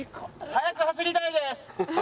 早く走りたいです。